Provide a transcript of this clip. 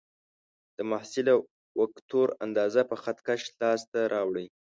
د محصله وکتور اندازه په خط کش لاس ته راوړئ.